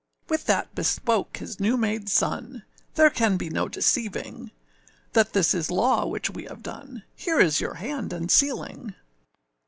With that bespoke his new made sonâ âThere can be no deceiving, That this is law which we have done Here is your hand and sealing!